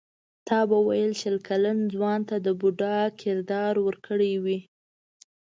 تا به ویل شل کلن ځوان ته د بوډا کردار ورکړی وي.